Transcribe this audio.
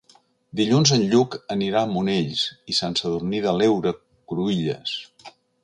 Dilluns en Lluc anirà a Monells i Sant Sadurní de l'Heura Cruïlles.